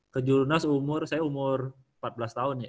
ke jurnas umur saya umur empat belas tahun ya